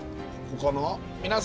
ここかな。